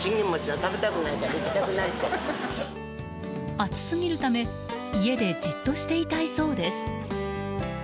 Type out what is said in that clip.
暑すぎるため家でじっとしていたいそうです。